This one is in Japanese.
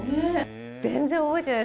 全然覚えてない。